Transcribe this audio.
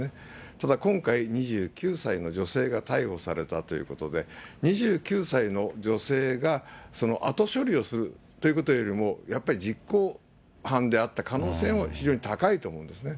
ただ、今回、２９歳の女性が逮捕されたということで、２９歳の女性が後処理をするということよりも、やっぱり実行犯であった可能性も非常に高いと思うんですね。